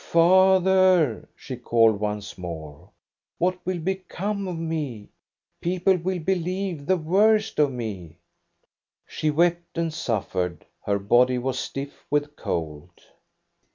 Father," she called once more, " what will become of me? People will believe the worst of me." She wept and suffered ; her body was stiff with cold.